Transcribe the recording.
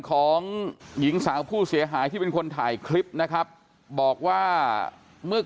ของหญิงสาวผู้เสียหายที่เป็นคนถ่ายคลิปนะครับบอกว่าเมื่อ